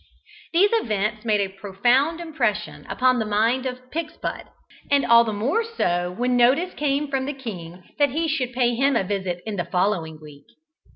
These events made a profound impression upon the mind of Pigspud, and all the more so when notice came from the king that he should pay him a visit in the following week.